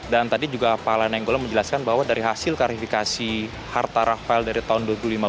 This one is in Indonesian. dan tadi juga pak lanenggolan menjelaskan bahwa dari hasil klarifikasi harta rafael dari tahun dua ribu lima belas